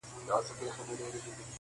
له ذاته زرغونېږي لطافت د باران یو دی.